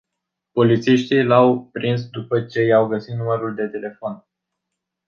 Polițiștii l-au prins după ce i-au găsit numărul de telefon.